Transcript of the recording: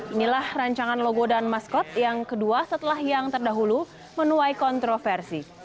inilah rancangan logo dan maskot yang kedua setelah yang terdahulu menuai kontroversi